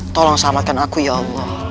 tolong selamatkan aku ya allah